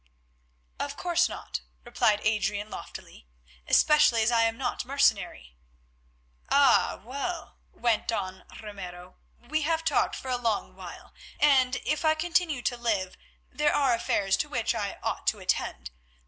"Of course not," replied Adrian, loftily, "especially as I am not mercenary." "Ah! well," went on Ramiro, "we have talked for a long while, and if I continue to live there are affairs to which I ought to attend.